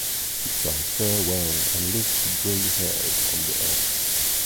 You shall fare well and live to grey hairs on the earth.